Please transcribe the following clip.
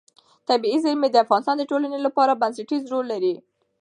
طبیعي زیرمې د افغانستان د ټولنې لپاره بنسټيز رول لري.